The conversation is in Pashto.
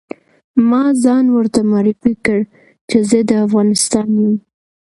ما ځان ورته معرفي کړ چې زه د افغانستان یم.